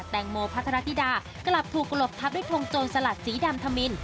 แตงโมพัทรธิดากลับถูกหลบทับด้วยทงโจรสลัดสีดำธมิน